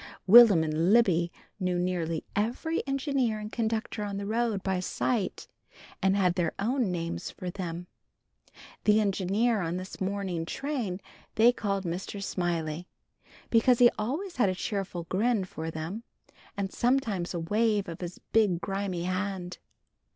Will'm and Libby knew nearly every engineer and conductor on the road by sight, and had their own names for them. The engineer on this morning train they called Mr. Smiley, because he always had a cheerful grin for them, and sometimes a wave of his big grimy hand.